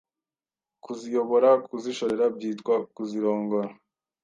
Kuziyobora, kuzishorera byitwa Kuzirongora